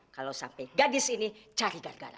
kalau sampai gadis ini cari garam